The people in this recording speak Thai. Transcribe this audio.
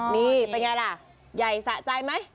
นี่เป็นอย่างไรล่ะใหญ่สะใจไหม